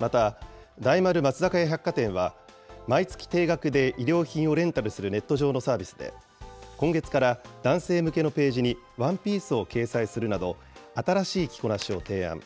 また、大丸松坂屋百貨店は、毎月定額で衣料品をレンタルするネット上のサービスで、今月から男性向けのページにワンピースを掲載するなど、新しい着こなしを提案。